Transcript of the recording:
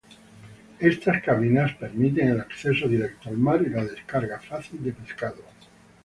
Estas cabinas permiten el acceso directo al mar y la descarga fácil de pescado.